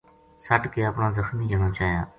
سَٹ کے اپنا زخمی جنا چایا